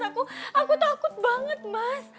aku takut banget mas